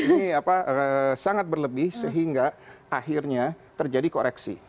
ini sangat berlebih sehingga akhirnya terjadi koreksi